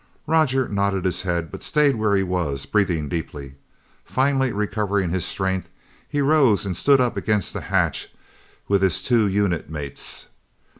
Roger nodded his head but stayed where he was, breathing deeply. Finally recovering his strength, he rose and stood up against the hatch with his two unit mates.